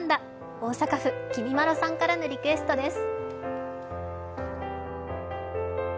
大阪府・きみまろさんからのリクエストです。